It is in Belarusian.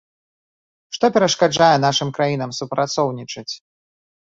Што перашкаджае нашым краінам супрацоўнічаць?